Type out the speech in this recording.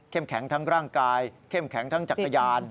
แข็งทั้งร่างกายเข้มแข็งทั้งจักรยาน